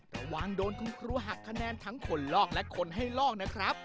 ระวังโดนคุณครูหักคะแนนทั้งคนลอกและคนให้ลอกนะครับ